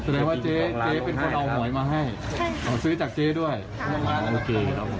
แสดงว่าเจ๊เจ๊เป็นคนเอาหมวยมาให้ใช่ของซื้อจากเจ๊ด้วยค่ะโอเค